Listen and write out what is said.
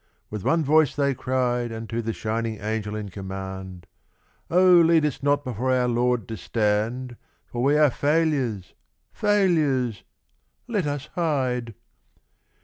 With one voice they cried Unto the shining Angel in command: 'Oh, lead us not before our Lord to stand, For we are failures, failures! Let us hide.